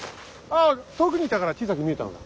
ああ遠くにいたから小さく見えたのだ。